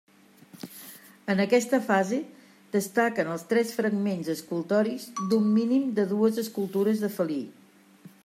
En aquesta fase destaquen els tres fragments escultòrics d'un mínim de dues escultures de felí.